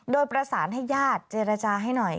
โดยประสานให้ญาติเจรจาให้หน่อย